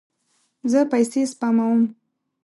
زه پیسې سپموم